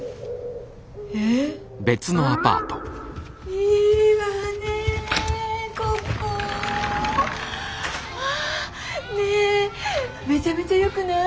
うわ！ねぇめちゃめちゃよくない？